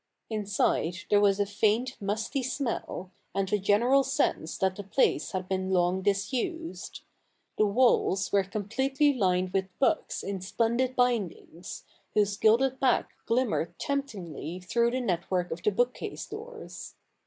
Inside there was a faint musty smell, and a general sense that the place had been long disused. The walls were completely lined with books in splendid bindings, whose gilded backs glimmered temptingly through the net work of the bookcase doors.